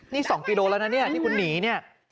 นี่๒กิโลแล้วนะเนี่ยที่คุณหนีเนี่ย